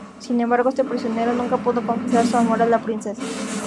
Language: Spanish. Sin embargo, este prisionero nunca pudo confesar su amor a la princesa.